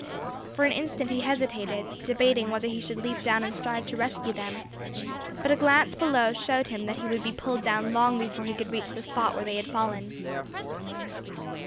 For an instant he hesitated, debating whether he should leap down and strive to rescue them; but a glance below showed him that he would be pulled down long before he could reach the spot where they had fallen.